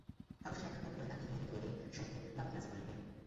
অবশেষে একখানা পদ্মপুরাণ তাঁহাকে কিনিয়া দিতে হইবেএই শর্তে বাবাকে রাজি করাইয়া।